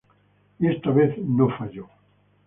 Y esta vez no falló.